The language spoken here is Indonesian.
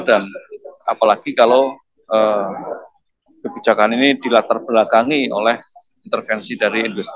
dan apalagi kalau kebijakan ini dilatar belakangi oleh intervensi dari industri